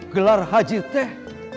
gelar hajir teh